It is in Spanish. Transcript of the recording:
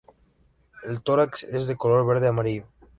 El tórax es de color verde amarillo.